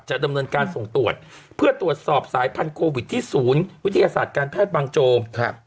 ดำเนินการส่งตรวจเพื่อตรวจสอบสายพันธุวิตที่ศูนย์วิทยาศาสตร์การแพทย์บางโจมครับ